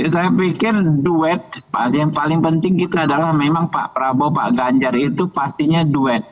saya pikir duet yang paling penting itu adalah memang pak prabowo pak ganjar itu pastinya duet